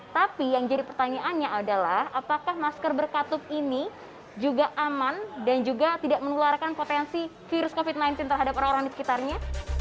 tapi yang jadi pertanyaannya adalah apakah masker berkatup ini juga aman dan juga tidak menularkan potensi virus covid sembilan belas terhadap orang orang di sekitarnya